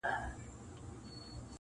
سرداري يې زما په پچه ده ختلې.!